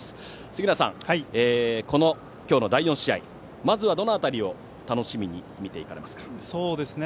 杉浦さん、今日の第４試合まずはどの辺りを楽しみに見ていかれますか。